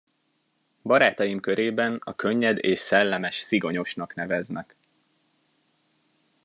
Barátaim körében a könnyed és szellemes Szigonyosnak neveznek.